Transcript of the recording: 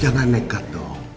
jangan negat dong